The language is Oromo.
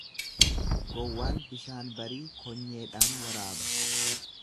Gowwaan bishaan barii konyeedhaan waraaba.